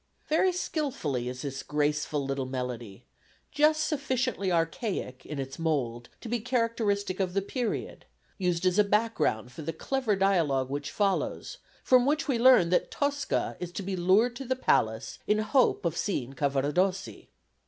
Very skilfully is this graceful little melody, just sufficiently archaic in its mould to be characteristic of the period, used as a background for the clever dialogue which follows, from which we learn that Tosca is to be lured to the Palace in the hope of seeing Cavaradossi.